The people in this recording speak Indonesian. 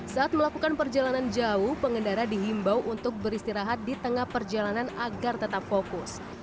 saat melakukan perjalanan jauh pengendara dihimbau untuk beristirahat di tengah perjalanan agar tetap fokus